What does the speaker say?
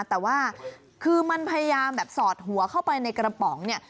แต่ว่าคือมันพยายามแบบสอดหัวเข้าไปในกระป๋องเนี่ย